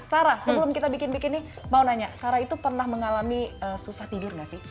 sarah sebelum kita bikin bikin nih mau nanya sarah itu pernah mengalami susah tidur gak sih